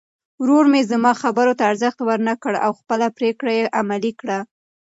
ورور مې زما خبرو ته ارزښت ورنه کړ او خپله پرېکړه یې عملي کړه.